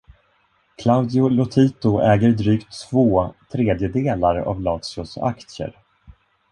Claudio Lotito äger drygt två tredjedelar av Lazios aktier.